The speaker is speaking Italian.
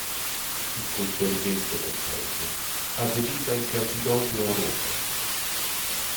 Il conferimento del premio avveniva in Campidoglio a Roma.